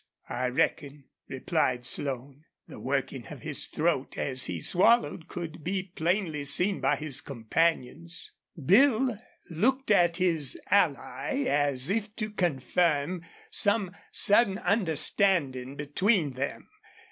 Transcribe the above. "I reckon," replied Slone. The working of his throat as he swallowed could be plainly seen by his companions. Bill looked at his ally as if to confirm some sudden understanding between them.